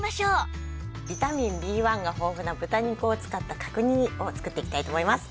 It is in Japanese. ビタミンＢ１が豊富な豚肉を使った角煮を作っていきたいと思います。